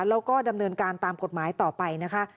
แล้วก็ดำเนินการตามกฎหมายต่อไปนะคะ